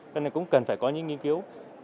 cho nên cũng cần phải có những nghiên cứu